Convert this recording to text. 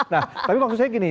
nah tapi maksud saya gini